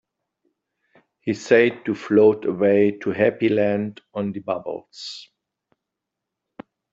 He said to float away to Happy Land on the bubbles.